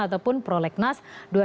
ataupun prolegnas dua ribu tujuh belas